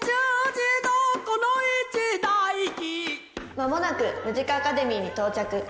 「間もなくムジカ・アカデミーに到着」。